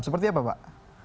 seperti apa pak